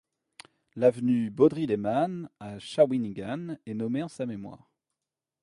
L'avenue Beaudry-Leman, à Shawinigan, est nommée en sa mémoire.